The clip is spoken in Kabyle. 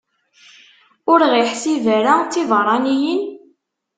Ur ɣ-iḥsib ara d tibeṛṛaniyin?